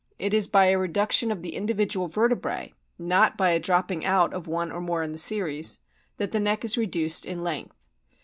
It is by a reduction of individual vertebrae, not by a dropping out of one or more in the series, that the neck is reduced in length.